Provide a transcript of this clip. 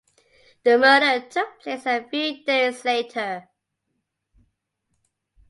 The murder took place a few days later.